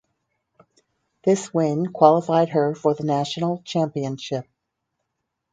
This win qualified her for the national championship.